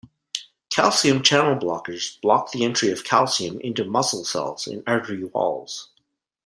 Calcium channel blockers block the entry of calcium into muscle cells in artery walls.